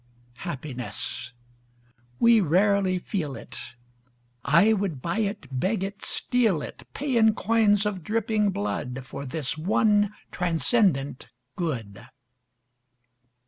Happiness: We rarely feel it. I would buy it, beg it, steal it, Pay in coins of dripping blood For this one transcendent good.